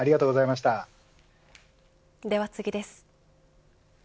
では次です。